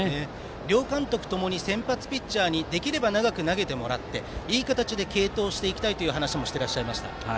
両監督ともに先発ピッチャーに投げてもらっていい形で継投していきたいという話もしています。